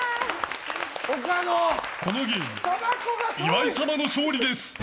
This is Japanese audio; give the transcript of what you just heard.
このゲーム、岩井様の勝利です。